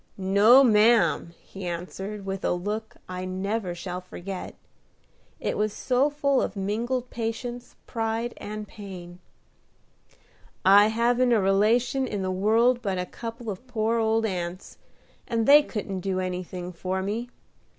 "No, ma'am!" he answered, with a look I never shall forget, it was so full of mingled patience, pride, and pain. "I haven't a relation in the world but a couple of poor old aunts, and they couldn't do anything for me.